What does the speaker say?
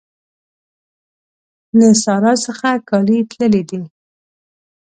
له سارا څخه کالي تللي دي.